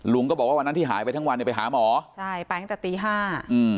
ก็บอกว่าวันนั้นที่หายไปทั้งวันเนี่ยไปหาหมอใช่ไปตั้งแต่ตีห้าอืม